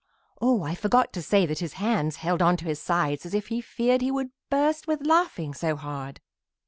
Oh, I forgot to say that his hands held on to his sides as if he feared he would burst with laughing so hard.